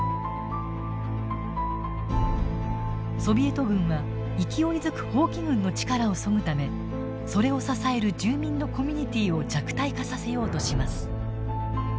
ソビエト軍は勢いづく蜂起軍の力をそぐためそれを支える住民のコミュニティーを弱体化させようとします。